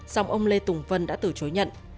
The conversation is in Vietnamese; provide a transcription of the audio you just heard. dòng ông lê tùng vân đã từ chối nhận